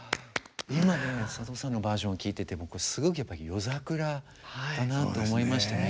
今のね佐藤さんのバージョンを聴いてて僕すごくやっぱり夜桜だなと思いましたね。